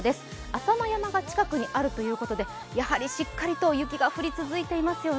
浅間山が近くにあるということで、しっかりと雪が降り続いていますよね。